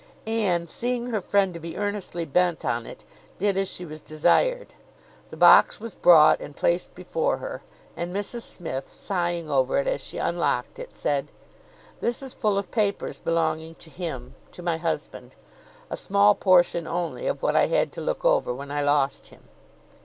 Anne, seeing her friend to be earnestly bent on it, did as she was desired. The box was brought and placed before her, and Mrs Smith, sighing over it as she unlocked it, said— "This is full of papers belonging to him, to my husband; a small portion only of what I had to look over when I lost him.